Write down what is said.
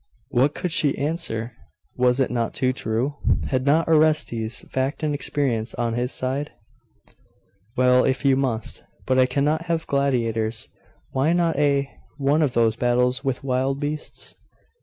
What could she answer? Was it not too true? and had not Orestes fact and experience on his side? 'Well, if you must but I cannot have gladiators. Why not a one of those battles with wild beasts?